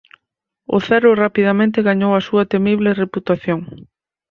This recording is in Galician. O Zero rapidamente gañou a súa temible reputación.